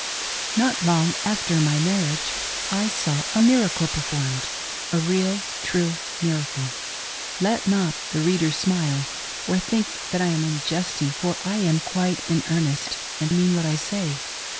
NOT long after my marriage I saw a miracle performed — a real, true miracle. Let not the reader smile, or think that I am only jesting, for I am quite in earnest, and mean what I say.